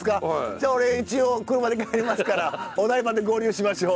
じゃあ俺一応車で帰りますからお台場で合流しましょう。